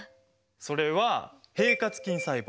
それは平滑筋細胞。